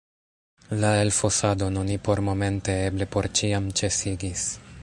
La elfosadon oni pormomente, eble por ĉiam, ĉesigis.